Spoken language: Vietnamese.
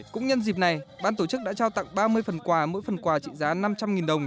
cũng nhân dịp này ban tổ chức đã trao tặng ba mươi phần quà mỗi phần quà trị giá năm trăm linh đồng